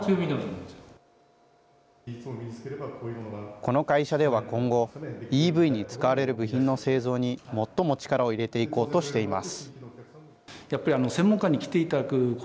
この会社では今後、ＥＶに使われる部品の製造に最も力を入れていこうとしています。